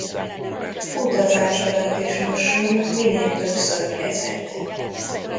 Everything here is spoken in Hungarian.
Utazás alatt is mossunk minél többször kezet.